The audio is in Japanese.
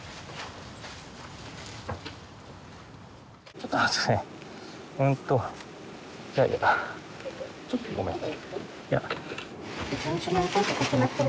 ちょっとうんとちょっとごめんね。